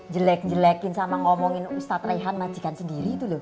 jelek jelekin sama ngomongin ustadz rehan majikan sendiri itu loh